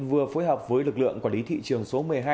vừa phối hợp với lực lượng quản lý thị trường số một mươi hai